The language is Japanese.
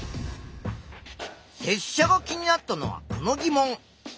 せっしゃが気になったのはこの疑問。